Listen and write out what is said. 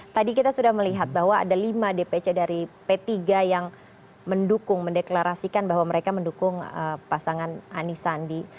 tadi kita sudah melihat bahwa ada lima dpc dari p tiga yang mendukung mendeklarasikan bahwa mereka mendukung pasangan anisandi